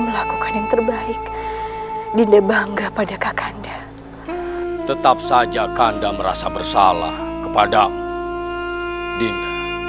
melakukan yang terbaik dinda bangga pada kakanda tetap saja kanda merasa bersalah kepada dinda